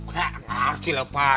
nggak ngerti lepas